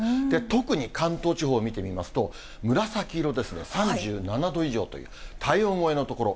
特に関東地方を見てみますと、紫色ですね、３７度以上という、体温超えの所。